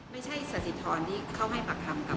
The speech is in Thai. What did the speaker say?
ไม่ใช่สถิธรที่เขาให้ปากคำกับ